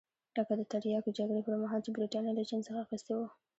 لکه د تریاکو جګړې پرمهال چې برېټانیا له چین څخه اخیستي وو.